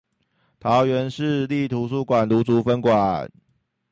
桃園市立圖書館蘆竹分館